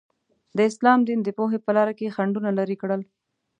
د اسلام دین د پوهې په لاره کې خنډونه لرې کړل.